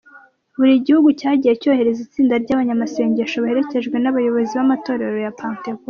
Buri gihugu cyagiye cyohereza itsinda ry’abanyamasengesho baherekejwe n’abayobozi b’amatorero ya Pentecote.